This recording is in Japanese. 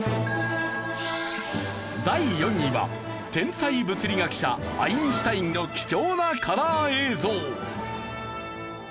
第４位は天才物理学者アインシュタインの貴重なカラー映像。